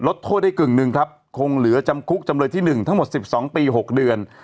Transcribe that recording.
โทษได้กึ่งหนึ่งครับคงเหลือจำคุกจำเลยที่๑ทั้งหมด๑๒ปี๖เดือน